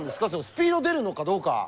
スピード出るのかどうか。